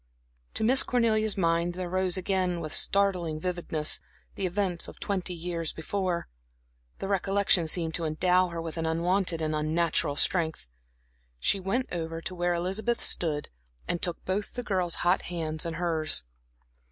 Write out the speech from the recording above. To Miss Cornelia's mind there rose again, with startling vividness, the events of twenty years before. The recollection seemed to endow her with an unwonted and unnatural strength. She went over to where Elizabeth stood and took both the girl's hot hands in hers.